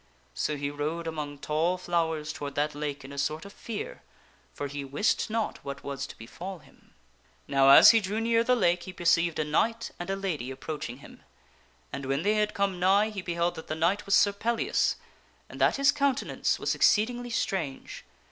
So he rode among tall flowers toward that lake in a sort of fear, for he wist not what was to befall him. Now as he drew near the lake he perceived a knight and a lady ap proaching him ; and when they had come nigh he beheld that the knight was Sir Pellias, and that his countenance was exceedingly strange.